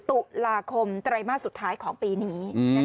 ตุลาคมไตรมาสสุดท้ายของปีนี้